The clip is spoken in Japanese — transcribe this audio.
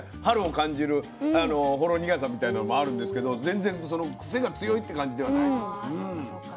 春を感じるほろ苦さみたいなのもあるんですけど全然その癖が強いって感じではないです。